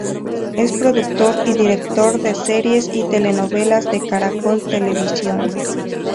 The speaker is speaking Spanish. Es productor y director de series y telenovelas de Caracol Televisión